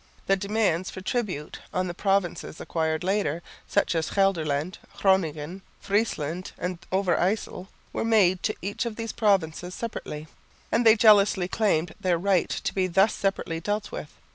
The demands for tribute on the provinces acquired later, such as Gelderland, Groningen, Friesland and Overyssel, were made to each of these provinces separately, and they jealously claimed their right to be thus separately dealt with.